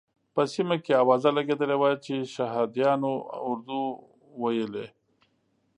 په سیمه کې اوازه لګېدلې وه چې شهادیانو اردو ویلې.